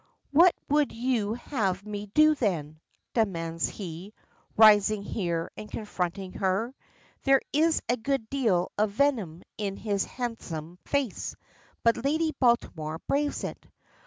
"What would you have me do then?" demands he, rising here and confronting her. There is a good deal of venom in his handsome face, but Lady Baltimore braves it.